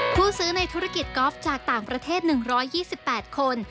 ผู้ซื้อในธุรกิจกอล์ฟจากต่างประเทศ๑๒๘คน